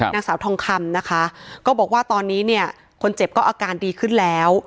นางสาวทองคำนะคะก็บอกว่าตอนนี้เนี่ยคนเจ็บก็อาการดีขึ้นแล้ว